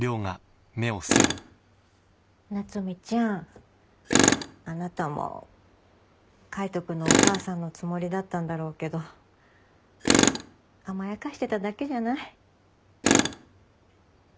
夏海ちゃんあなたも海斗君のお母さんのつもりだったんだろうけど甘やかしてただけじゃない？